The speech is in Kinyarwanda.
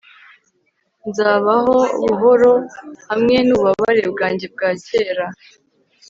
Nzabaho buhoro hamwe nububabare bwanjye bwa kera